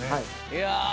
いや